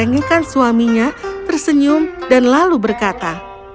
dia mendengar rengikan suaminya tersenyum dan lalu berkata